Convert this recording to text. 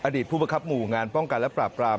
ผู้ประคับหมู่งานป้องกันและปราบปราม